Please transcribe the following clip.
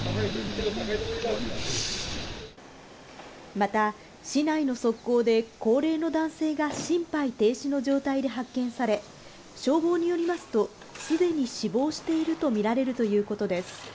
また、市内の側溝で高齢の男性が心肺停止の状態で発見され、消防によりますと、既に死亡しているとみられるということです。